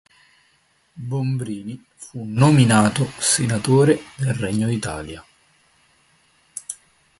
Bombrini fu nominato Senatore del Regno d'Italia.